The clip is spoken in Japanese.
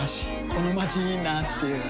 このまちいいなぁっていう